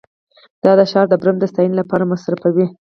دا د ښار د برم د ستاینې لپاره مصرفوي